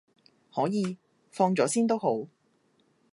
可以，放咗先都好